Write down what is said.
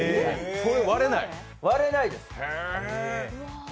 割れないです。